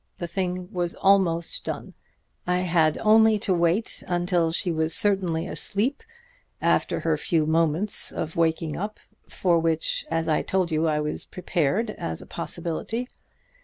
The thing was almost done: I had only to wait until she was certainly asleep after her few moments of waking up, for which, as I told you, I was prepared as a possibility.